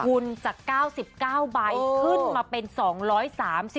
คุณจาก๙๙ใบขึ้นมาเป็น๒๓๔